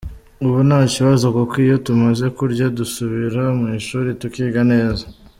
Ubu nta kibazo kuko iyo tumaze kurya dusubira mu ishuri tukiga neza.